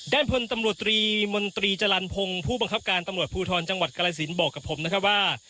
แด่นพลตำรวจตรีมจลัลพงศ์ผู้บังคับการทำลวดพูทรจังหวัดกรสินทร์บอกกับผมนะครับว่า